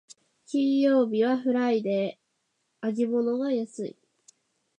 金曜日はフライデー、揚げ物が安い